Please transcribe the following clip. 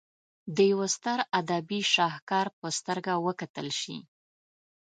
د یوه ستر ادبي شهکار په سترګه وکتل شي.